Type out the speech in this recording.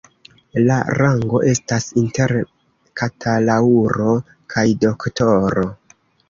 La rango estas inter bakalaŭro kaj doktoro.